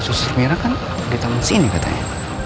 sosok merah di taman sini katanya